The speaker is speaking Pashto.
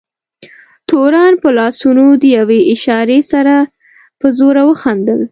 تورن په لاسونو د یوې اشارې سره په زوره وخندل.